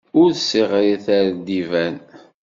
Ur ssiɣrit ar d iban!